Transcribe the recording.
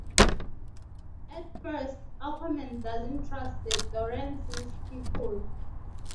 At first, Aquaman doesn't trust the Dorrance's people.